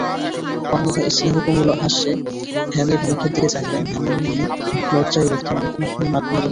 অন্নদা স্নেহকোমলহাস্যে হেমের মুখের দিকে চাহিলেন–হেমনলিনী লজ্জায় রক্তিম মুখখানি নত করিল।